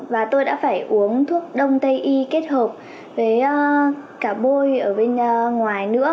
và tôi đã phải uống thuốc đông tây y kết hợp với cả bôi ở bên ngoài nữa